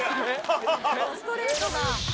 ストレートな。